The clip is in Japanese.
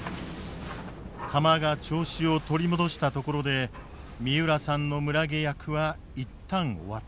釜が調子を取り戻したところで三浦さんの村下役は一旦終わった。